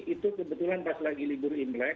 itu kebetulan pas lagi libur imlek